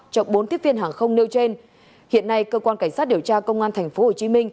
cho bốn tiếp viên hàng không nêu trên hiện nay cơ quan cảnh sát điều tra công an tp hcm